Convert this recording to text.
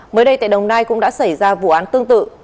mới đây tại đồng nai cũng đã xảy ra vụ án tương tự